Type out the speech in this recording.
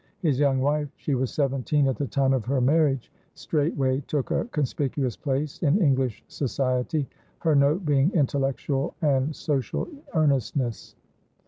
His young wifeshe was seventeen at the time of her marriagestraightway took a conspicuous place in English Society, her note being intellectual and social earnestness.